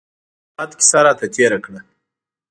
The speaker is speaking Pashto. احمد کيسه راته تېره کړه.